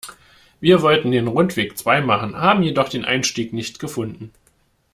Wir wollten den Rundweg zwei machen, haben jedoch den Einstieg nicht gefunden.